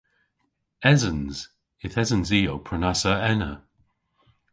Esens. Yth esens i ow prenassa ena.